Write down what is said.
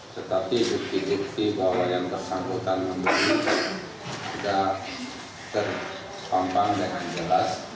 tetapi bukti bukti bahwa yang bersangkutan tidak terpampang dengan jelas